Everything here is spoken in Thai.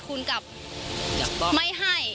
ดีกว่าจะได้ตัวคนร้าย